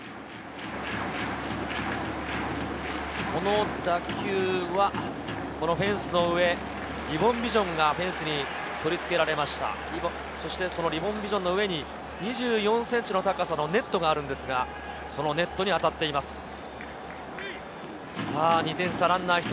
この打球はフェンスの上、リボンビジョンが取り付けられました、リボンビジョンの上に２４ｃｍの高さのネットがあるんですが、そのネットに当たっています。